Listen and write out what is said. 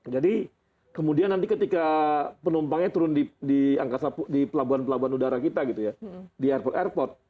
jadi kemudian nanti ketika penumpangnya turun di pelabuhan pelabuhan udara kita gitu ya di airport airport